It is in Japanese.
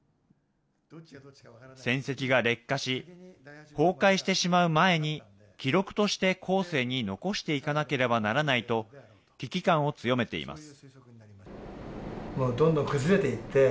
戦跡が劣化し、崩壊してしまう前に、記録として後世に残していかなければならないと、危機感を強めています。